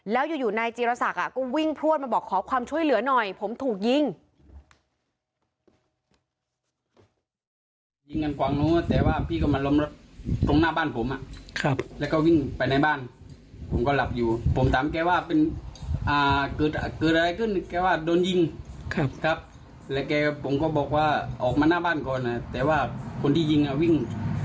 แล้วอยู่นายจีรศักดิ์ก็วิ่งพลวดมาบอกขอความช่วยเหลือหน่อยผมถูกยิง